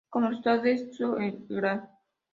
Como resultado de eso, el Gral.